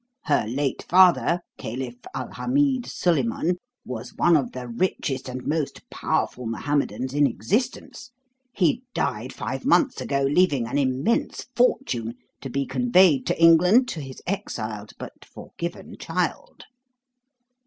Her late father, Caliph Al Hamid Sulaiman, was one of the richest and most powerful Mohammedans in existence. He died five months ago, leaving an immense fortune to be conveyed to England to his exiled but forgiven child."